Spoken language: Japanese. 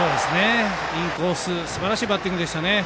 インコースすばらしいバッティングでしたね。